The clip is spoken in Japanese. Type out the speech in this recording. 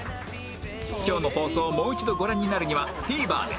今日の放送をもう一度ご覧になるには ＴＶｅｒ で